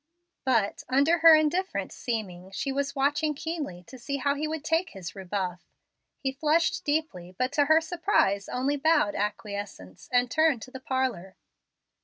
But, under her indifferent seeming, she was watching keenly to see how he would take this rebuff. He flushed deeply, but to her surprise only bowed acquiescence, and turned to the parlor.